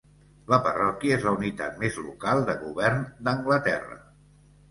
La parròquia és la unitat més local de govern d'Anglaterra.